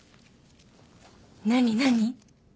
何何？